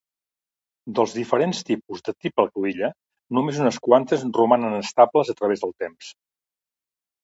Dels diferents tipus de triple cruïlla, només unes quantes romanen estables a través del temps.